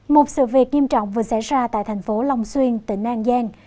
một sự việc nghiêm trọng vừa xảy ra tại thành phố long xuyên tỉnh an giang